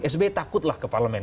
sby takutlah ke parlemen